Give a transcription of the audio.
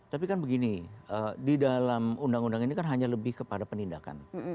tapi kan begini di dalam undang undang ini kan hanya lebih kepada penindakan